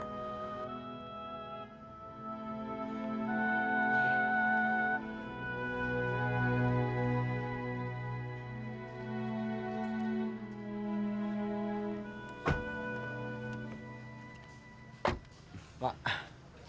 jemput aku ya nanti jam tujuh malam di kantor